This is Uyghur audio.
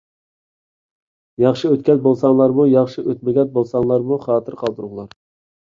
ياخشى ئۆتكەن بولساڭلارمۇ، ياخشى ئۆتمىگەن بولساڭلارمۇ خاتىرە قالدۇرۇڭلار.